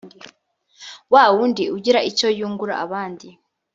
wa wundi ugira icyo yungura abandi